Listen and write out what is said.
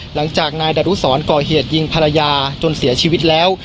หลังจากนายดารุสรก่อเหตุยิงภรรยาจนเสียชีวิตแล้ว